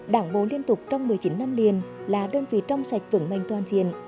đảng bộ liên tục trong một mươi chín năm liền là đơn vị trong sạch vững mạnh toàn diện